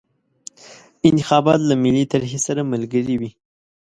انتخابات له ملي طرحې سره ملګري وي.